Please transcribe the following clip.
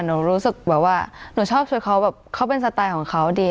หนูรู้สึกแบบว่าหนูชอบชุดเขาแบบเขาเป็นสไตล์ของเขาดี